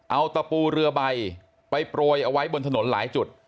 เอาตะปูเรือใบไปโปรยเอาไว้บนถนนหลายจุด